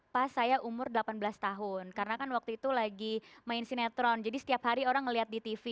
pas saya umur delapan belas tahun karena kan waktu itu lagi main sinetron jadi setiap hari orang ngeliat di tv